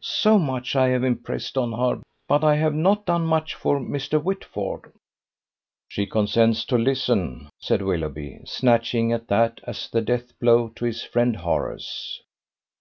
So much I have impressed on her, but I have not done much for Mr. Whitford." "She consents to listen," said Willoughby, snatching at that as the death blow to his friend Horace.